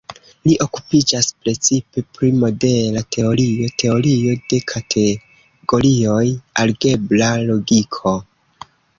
Li okupiĝas precipe pri modela teorio, teorio de kategorioj, algebra logiko.